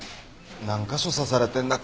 何か所刺されてんだ？